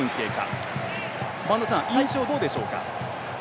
印象はどうでしょうか？